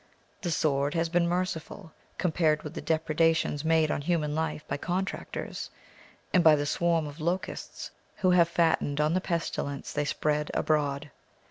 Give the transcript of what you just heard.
The sword has been merciful, compared with the depredations made on human life by contractors and by the swarm of locusts who have battened on the pestilence they spread abroad.